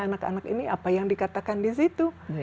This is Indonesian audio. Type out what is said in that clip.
anak anak ini apa yang dikatakan di situ